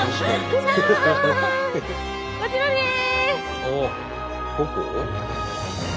こちらです！